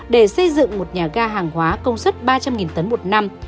để xây dựng một nhà ga hàng hóa công suất ba trăm linh tấn một năm